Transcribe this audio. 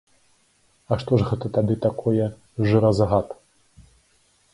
А што ж гэта тады такое жыразагад?